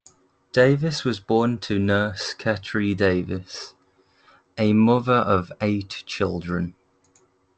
Davis was born to nurse Kateree Davis, a mother of eight children.